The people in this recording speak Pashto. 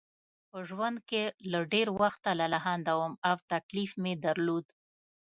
په ژوند کې له ډېر وخته لالهانده وم او تکلیف مې درلود.